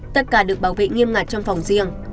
tất cả được bảo vệ nghiêm ngặt trong phòng riêng